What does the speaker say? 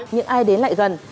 nhưng ai đến lại gần